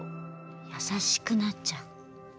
優しくなっちゃう。